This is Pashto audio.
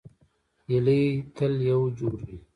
هیلۍ تل یو جوړ وي